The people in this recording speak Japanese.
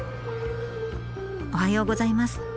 おはようございます。